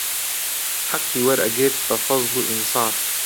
حەقی وەرئەگرت بە فەزڵ و ئینساف